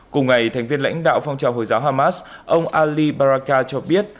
cùng ngày thành viên lãnh đạo phong trào hồi giáo hamas ông ali baraka cho biết